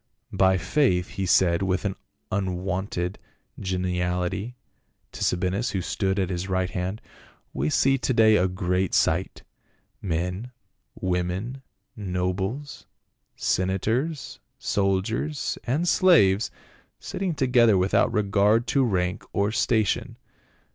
" By my faith," he said with unwonted geniality to Sabinus who stood at his right hand, " we see to day a great sight. Men, women, nobles, senators, soldiers and slaves sitting together without regard to rank or station.